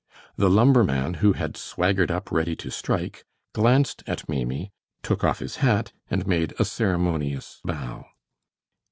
The lumberman, who had swaggered up ready to strike, glanced at Maimie, took off his hat, and made a ceremonious bow.